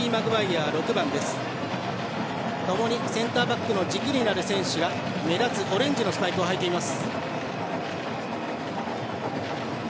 センターバックの軸になる選手が目立つオレンジのスパイクを履いています。